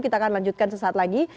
kita akan lanjutkan sesaat lagi